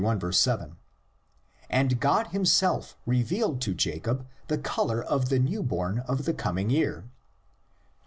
7), and God himself revealed to Jacob the color of the newborn for the coming year (xxxi.